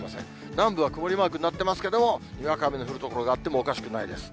南部は曇りマークになってますけれども、にわか雨の降る所があってもおかしくないです。